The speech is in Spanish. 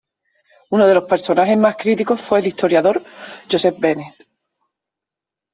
Uno de los personajes más críticos fue el historiador Josep Benet.